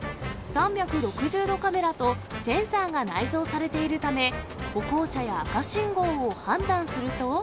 ３６０度カメラと、センサーが内蔵されているため、歩行者や赤信号を判断すると。